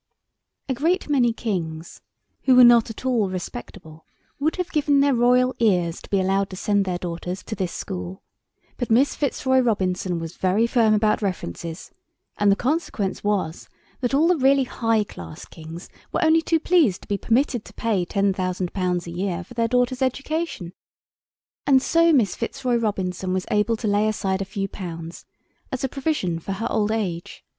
A great many kings who were not at all respectable would have given their royal ears to be allowed to send their daughters to this school, but Miss Fitzroy Robinson was very firm about references, and the consequence was that all the really high class kings were only too pleased to be permitted to pay ten thousand pounds a year for their daughters' education. And so Miss Fitzroy Robinson was able to lay aside a few pounds as a provision for her old age.